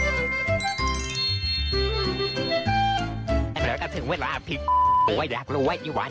นี่คือเอาภาพเนี่ยไอ้หวาน